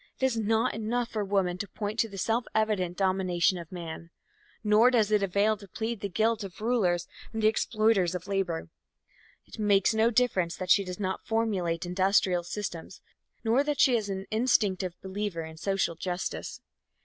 It is not enough for woman to point to the self evident domination of man. Nor does it avail to plead the guilt of rulers and the exploiters of labor. It makes no difference that she does not formulate industrial systems nor that she is an instinctive believer in social justice.